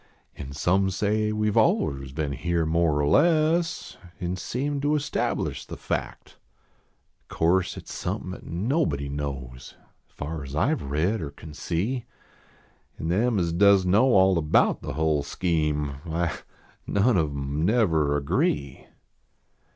An some say we ve aliens been here more or less, An seem to establish the fact. O course at s somepin at nobody knows, As far as I ve read or cnn see ; An them as does know all about the hull scheme, Why, none of em never agree.